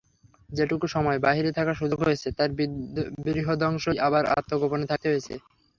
যেটুকু সময় বাইরে থাকার সুযোগ হয়েছে তার বৃহদংশই আবার আত্মগোপনে থাকতে হয়েছে।